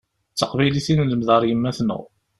D taqbaylit i nelmed ar yemma-tneɣ.